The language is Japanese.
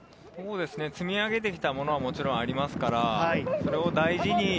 積み上げて来たものはもちろんありますから、それを大事に。